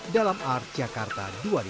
dalam art jakarta